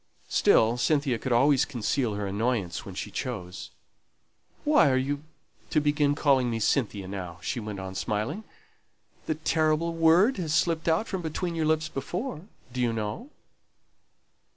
Still, Cynthia could always conceal her annoyance when she chose. "Why are you to begin calling me Cynthia now?" she went on, smiling. "The terrible word has slipped out from between your lips before, do you know?"